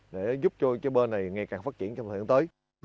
để giúp cho cây bơ này ngày càng phát triển trong thời gian tới